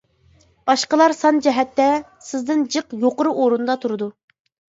باشقىلار سان جەھەتتە سىزدىن جىق يۇقىرى ئورۇندا تۇرىدۇ.